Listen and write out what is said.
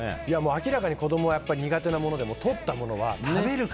明らかに子供は苦手なものでもとったものは見えるから。